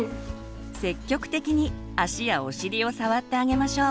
積極的に足やお尻を触ってあげましょう。